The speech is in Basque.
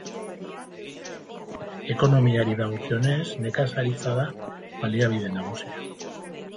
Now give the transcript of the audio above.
Ekonomiari dagokionez, nekazaritza da baliabide nagusia.